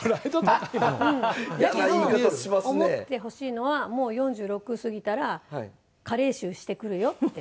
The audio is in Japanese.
だけど思っててほしいのはもう４６過ぎたら加齢臭してくるよって」